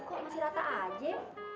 kok masih rata aja